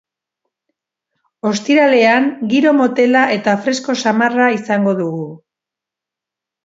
Ostiralean giro motela eta fresko samarra izango dugu.